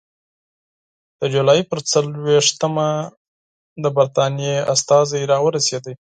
د جولای پر څلېرویشتمه د برټانیې استازی راورسېد.